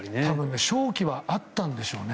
勝機はあったんでしょうね